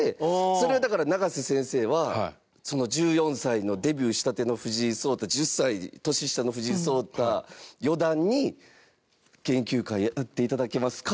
それを、だから、永瀬先生は１４歳のデビューしたての藤井聡太１０歳年下の藤井聡太四段に研究会で打っていただけますか？